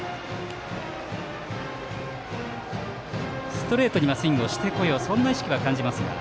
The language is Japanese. ストレートにはスイングをしてこようという意識を感じます。